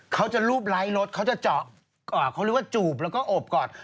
เค้าจะลูบไล่รถเค้าจะเจาะเค้าเรียกว่าจูบแล้วก็โอบกอด